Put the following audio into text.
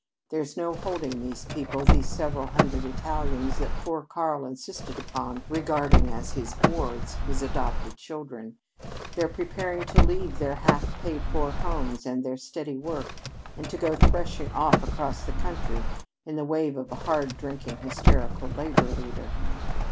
There's no holding these people these several hundred Italians that poor Karl insisted upon regarding as his wards, his 'adopted children.' They're preparing to leave their half paid for homes and their steady work, and to go threshing off across the country in the wave of a hard drinking, hysterical labor leader.